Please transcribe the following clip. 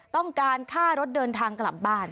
ต้องการค่ารถเดินทางกลับบ้าน